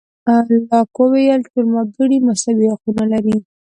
لاک وویل ټول وګړي مساوي حقونه لري.